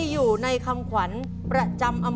ถูกครับ